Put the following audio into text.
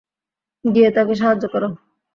গিয়ে তাকে সাহায্য কর।